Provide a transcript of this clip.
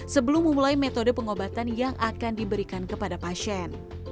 sebelum memulai metode pengobatan yang akan diberikan kepada pasien